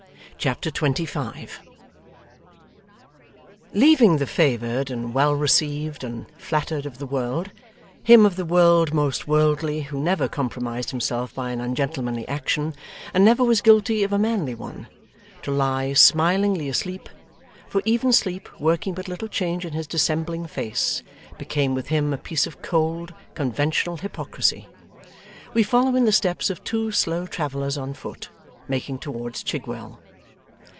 Chapter 25 Leaving the favoured, and well received, and flattered of the world; him of the world most worldly, who never compromised himself by an ungentlemanly action, and never was guilty of a manly one; to lie smilingly asleep for even sleep, working but little change in his dissembling face, became with him a piece of cold, conventional hypocrisy we follow in the steps of two slow travellers on foot, making towards Chigwell.